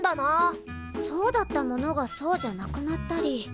そうだったものがそうじゃなくなったり。